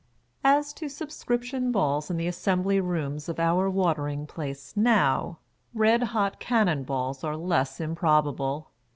As to subscription balls in the Assembly Rooms of our Watering Place now, red hot cannon" balls are less improbable.